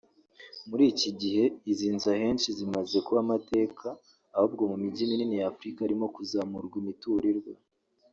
muri iki gihe izi nzu ahenshi zimaze kuba amateka ahubwo mu migi minini y’ Afurika harimo kuzamurwa imiturirwa